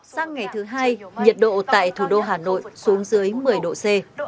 sang ngày thứ hai nhiệt độ tại thủ đô hà nội xuống dưới một mươi độ c